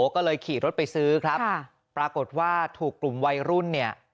ก็เลยขี่รถไปซื้อครับปรากฏว่าถูกกลุ่มวัยรุ่นเนี่ย